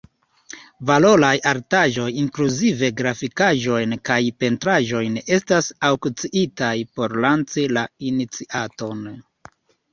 Valoraj artaĵoj – inkluzive grafikaĵojn kaj pentraĵojn – estas aŭkciitaj por lanĉi la iniciaton.